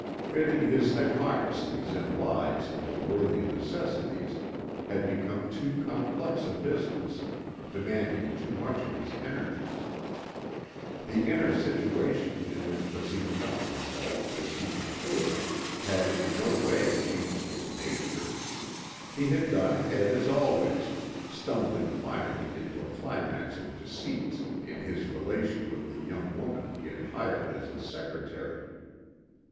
Fitting his hypocricies and lies into worthy necessities had become too complex a business, demanding too much of his energies. The inner situation in which Basine found himself as he matured had in no way changed his nature. He had gone ahead as always, stumbling finally into a climax of deceits in his relation with the young woman he had hired as his secretary.